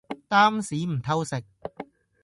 擔屎唔偷食